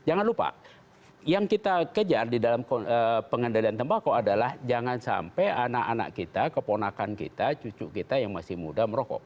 jangan lupa yang kita kejar di dalam pengendalian tembakau adalah jangan sampai anak anak kita keponakan kita cucu kita yang masih muda merokok